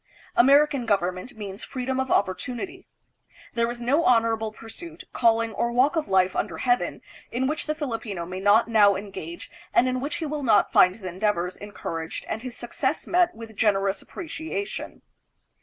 American government means freedom of opportunity. There is no honorable pursuit, calling, or walk of life under heaven in which the Filipino may not now engage and in which he will not find his endeavors encouraged and his success met with generous appreciation.